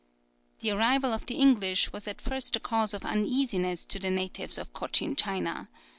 The arrival of the English was at first a cause of uneasiness to the natives of Cochin China.